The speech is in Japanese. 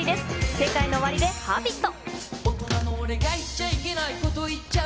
ＳＥＫＡＩＮＯＯＷＡＲＩで、Ｈａｂｉｔ。